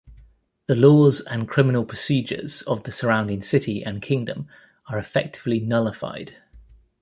The laws and criminal procedures of the surrounding city and kingdom are effectively nullified.